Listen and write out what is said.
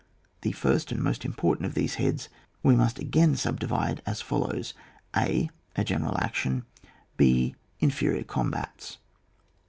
The first and most important of these heads, we must again subdivide as follows :— a. A general action, h. Inferior combats.